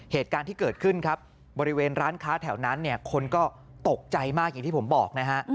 เหตุการณ์ที่เกิดขึ้นครับบริเวณร้านค้าแถวนั้นเนี่ยคนก็ตกใจมากอย่างที่ผมบอกนะฮะ